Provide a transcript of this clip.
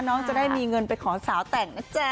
น้องจะได้มีเงินไปขอสาวแต่งนะจ๊ะ